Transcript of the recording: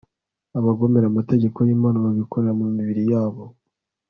abagomera amategeko y'imana babikorera mu mibiri yabo